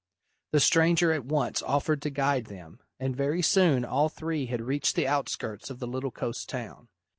The stranger at once offered to guide them, and very soon all three had reached the outskirts of the little coast town.